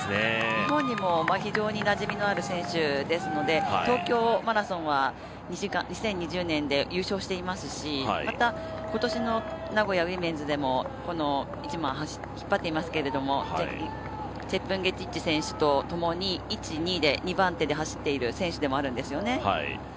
日本にも非常になじみのある選手ですので東京マラソンは２０２０年で優勝していますしまた今年の名古屋ウィメンズでも１００００ｍを引っ張っていますけどチェプンゲティッチ選手とともに１、２で２番手で走っている選手でもあるんですよね。